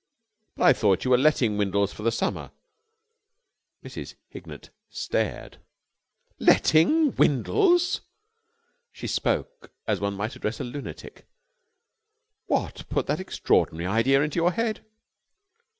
"But I thought you were letting Windles for the summer?" Mrs. Hignett stared. "Letting Windles!" She spoke as one might address a lunatic. "What put that extraordinary idea into your head?"